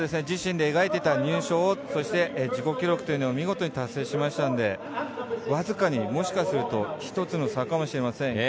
自身で描いていた入賞そして自己記録というのを見事に達成しましたので僅かに、もしかすると一つの差かもしれません。